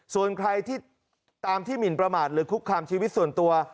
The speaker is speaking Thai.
ส่วนใครที่ตามที่หมินประมาทหรือคุกคามชีวิตส่วนตัว